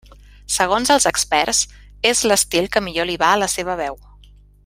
Segons els experts, és l'estil que millor li va a la seua veu.